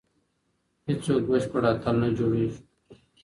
هیڅوک بشپړ اتل نه جوړوي.